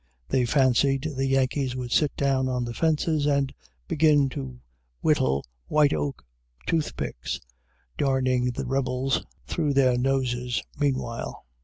They fancied the Yankees would sit down on the fences and begin to whittle white oak toothpicks, darning the rebels, through their noses, meanwhile.